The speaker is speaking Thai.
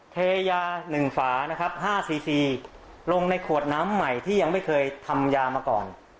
เทยา๑ฝานะครับ๕๔๔ลงในขวดน้ำใหม่ที่ยังไม่เคยทำยามาก่อน